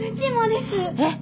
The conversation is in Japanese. えっ？